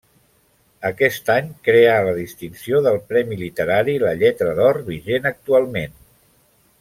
Aquest any crea la distinció del Premi Literari La Lletra d'Or, vigent actualment.